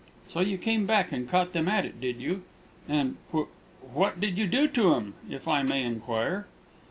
"So you came back and caught them at it, did you? And wh what did you do to 'em, if I may inquire?"